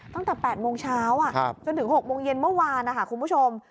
ตั้งแต่๘โมงเช้าจนถึง๖โมงเย็นเมื่อวานนะคะคุณผู้ชม